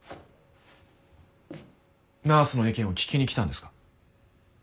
ナースの意見を聞きに来たんですか？